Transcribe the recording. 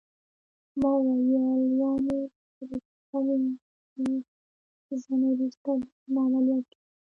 ما وویل: یعنې تر شپږ میاشتني ځنډ وروسته به زما عملیات کېږي؟